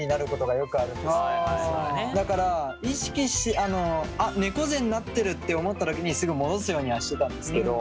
だから意識してあ猫背になってるって思ったときにすぐ戻すようにはしてたんですけど。